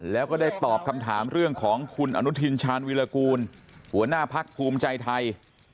แล้วก็ได้ตอบคำถามเรื่องของคุณอนุทินชาญวิรากูลหัวหน้าพักภูมิใจไทย